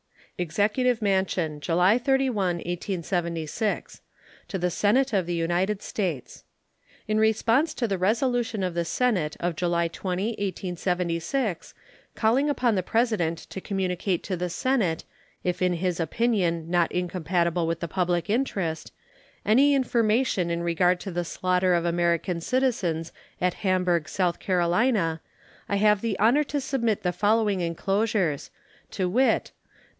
EXECUTIVE MANSION, July 31, 1876. To the Senate of the United States: In response to the resolution of the Senate of July 20, 1876, calling upon the President to communicate to the Senate, if in his opinion not incompatible with the public interest, any information in regard to the slaughter of American citizens at Hamburg, S.C., I have the honor to submit the following inclosures, to wit: No.